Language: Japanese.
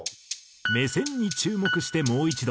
目線に注目してもう一度。